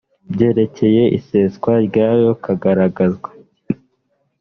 byerekeye iseswa ryayo kagaragazwa